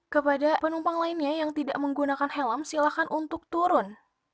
kepada penumpang lainnya yang tidak menggunakan helm silahkan untuk turun